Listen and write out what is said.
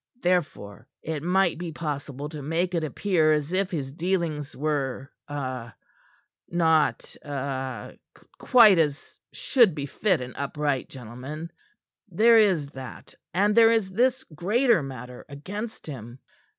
Therefore, it might be possible to make it appear as if his dealings were ah not ah quite such as should befit an upright gentleman. There is that, and there is this greater matter against him.